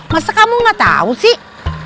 masa kamu nggak tau sih